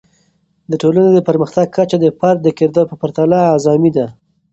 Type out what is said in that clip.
د ټولنې د پرمختګ کچه د فرد د کردار په پرتله اعظمي ده.